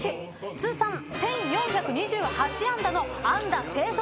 通算１，４２８安打の安打製造機